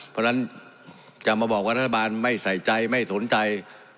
เพราะฉะนั้นจะมาบอกว่ารัฐบาลไม่ใส่ใจไม่สนใจ